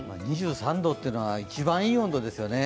２３度っていうのが一番いい温度ですよね